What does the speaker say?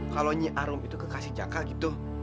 kalau nyi arum itu kekasih jaka gitu